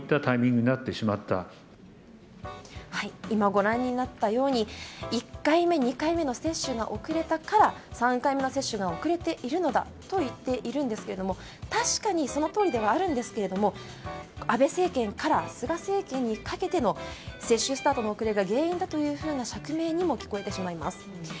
今ご覧になったように１回目２回目の接種が遅れたから３回目の接種が遅れているのだと言っているんですが確かにそのとおりではあるんですけれども安倍政権から菅政権にかけての接種スタートの遅れが原因だというふうな釈明にも聞こえてしまいます。